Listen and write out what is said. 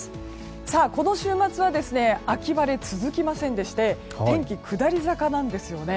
この週末は秋晴れ続きませんでして天気、下り坂なんですよね。